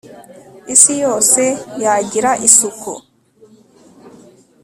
isi yose yagira isuku